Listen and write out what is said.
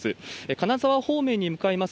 金沢方面に向かいます